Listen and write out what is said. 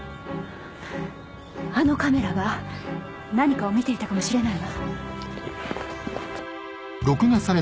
あのカメラが何かを見ていたかもしれないわ。